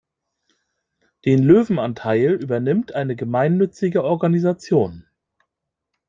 Den Löwenanteil übernimmt eine gemeinnützige Organisation.